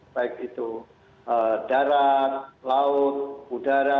baik itu darat laut udara